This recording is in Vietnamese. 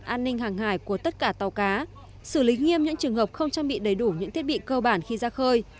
an ninh hàng hải của tất cả tàu cá xử lý nghiêm những trường hợp không trang bị đầy đủ những thiết bị cơ bản khi ra khơi